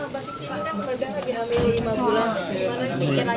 mbak vicky ini kan berdah lagi ambil lima bulan